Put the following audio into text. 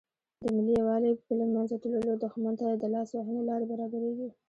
د ملي یووالي په له منځه تللو دښمن ته د لاس وهنې لارې برابریږي.